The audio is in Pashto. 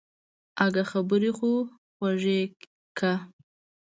اگه خبرې خو خوږې که.